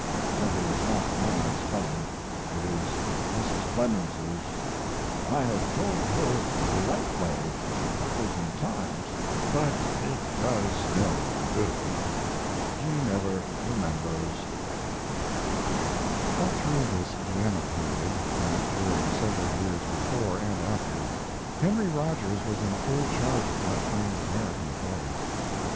(That is not my spelling. It is Mrs. Clemens's, I have told her the right way a thousand times, but it does no good, she never remembers.) All through this Vienna period (as during several years before and after) Henry Rogers was in full charge of Mark Twain's American affairs.